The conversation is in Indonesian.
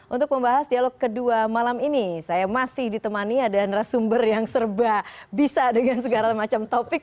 untuk membahas dialog kedua malam ini saya masih ditemani ada narasumber yang serba bisa dengan segala macam topik